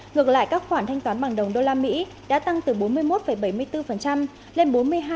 ngược lại các khoản thanh toán bằng đồng usd đã tăng từ bốn mươi một bảy mươi bốn lên bốn mươi hai bảy mươi một